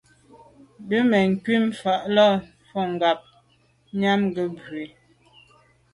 Me be kum mfelàlà fotngab nyàm nke mbwe.